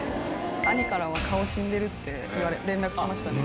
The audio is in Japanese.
兄からは、顔死んでるって連絡ありましたね。